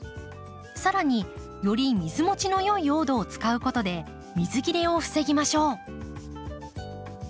さらにより水持ちの良い用土を使うことで水切れを防ぎましょう。